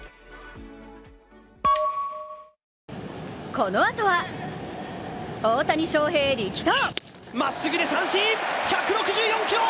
このあとは、大谷翔平力投！